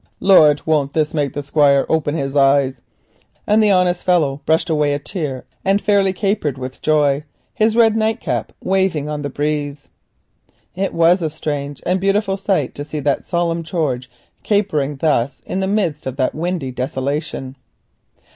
Lord! won't this make the Squire open his eyes," and the honest fellow brushed away a tear and fairly capered with joy, his red nightcap waving on the wind. It was a strange and beautiful sight to see the solemn George capering thus in the midst of that storm swept desolation.